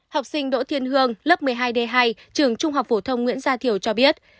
học sinh đỗ thiên hương lớp một mươi hai d hai trường trung học phổ thông nguyễn gia thiểu cho biết